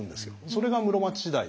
それが室町時代。